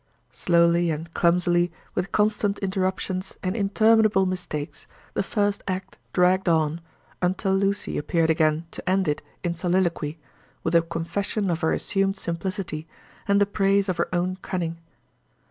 Slowly and clumsily, with constant interruptions and interminable mistakes, the first act dragged on, until Lucy appeared again to end it in soliloquy, with the confession of her assumed simplicity and the praise of her own cunning.